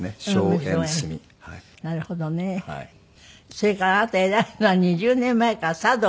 それからあなた偉いのは２０年前から茶道もお茶。